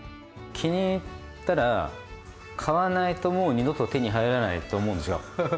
気に入ったら買わないともう二度と手に入らないと思うんですよ。